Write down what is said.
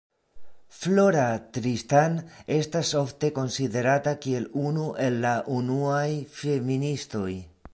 Flora Tristan estas ofte konsiderata kiel unu el la unuaj feministoj.